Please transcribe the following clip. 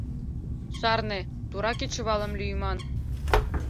— Шарне, тура кечывалым лӱйыман.